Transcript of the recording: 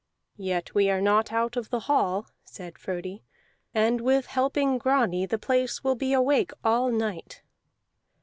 "Yet we are not out of the hall," said Frodi, "and with helping Grani the place will be awake all night."